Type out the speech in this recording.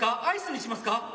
アイスにしますか？」。